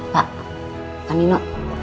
pak kami mau